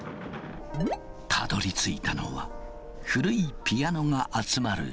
たどりついたのは古いピアノが集まる倉庫。